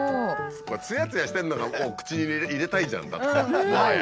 つやつやしてるのがもう口に入れたいじゃんだってもはや。